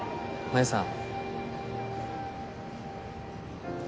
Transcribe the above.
真夢さん